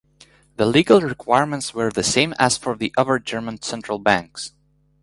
The legal requirements were the same as for the other German central banks.